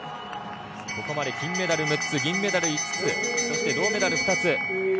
ここまで金メダル６つ銀メダル５つ銅メダルが２つ。